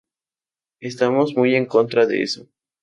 Estamos muy en contra de eso.